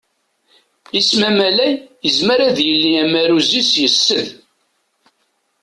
Isem amalay yezmer ad yili umaruz -is yessed.